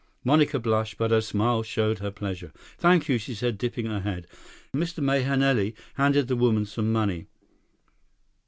'" Monica blushed, but her smile showed her pleasure. "Thank you," she said, dipping her head. Mr. Mahenili handed the woman some money.